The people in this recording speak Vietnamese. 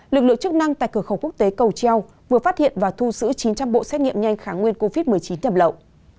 lực lượng chức năng tại cửa khẩu quốc tế cầu treo vừa phát hiện và thu giữ chín trăm linh bộ xét nghiệm nhanh kháng nguyên covid một mươi chín nhập lậu